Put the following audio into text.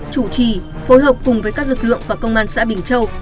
chủ trì phối hợp cùng với các lực lượng và công an xã bình châu